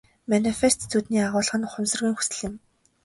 Манифест зүүдний агуулга нь ухамсаргүйн хүсэл юм.